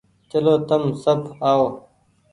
چلو تم سب آئو۔